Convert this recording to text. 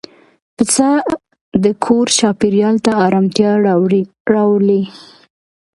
پسه د کور چاپېریال ته آرامتیا راولي.